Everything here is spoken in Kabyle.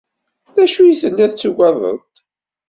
D acu i telliḍ tuggadeḍ-t?